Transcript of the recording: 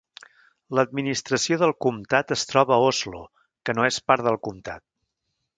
L'administració del comtat es troba a Oslo, que no és part del comtat.